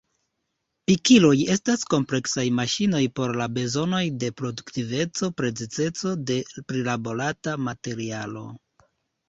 Pikiloj estas kompleksaj maŝinoj por la bezonoj de produktiveco, precizeco de prilaborata materialo.